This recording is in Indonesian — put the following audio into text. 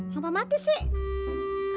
kenapa mati sih